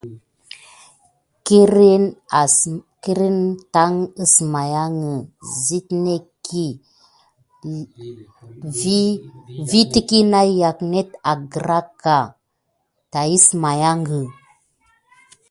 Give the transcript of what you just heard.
Kirne tàt əsmaya site netki sakuɓa vi lʼékokle angraka wubaye kudmakiyague.